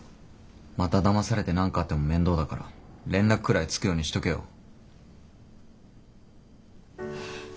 まただまされて何かあっても面倒だから連絡くらいつくようにしとけよ。